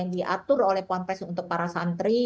diatur oleh puan pres untuk para santri